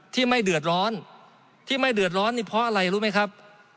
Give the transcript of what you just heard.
ที่ไม่เดือดร้อนที่ไม่เดือดร้อนนี่เพราะอะไรรู้ไหมครับ